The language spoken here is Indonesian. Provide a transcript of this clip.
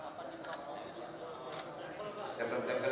stiker stiker yang tiba tiba kumpul